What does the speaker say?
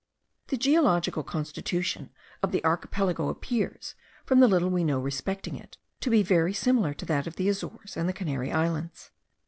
The geological constitution of the Archipelago appears, from the little we know respecting it, to be very similar to that of the Azores and the Canary Islands.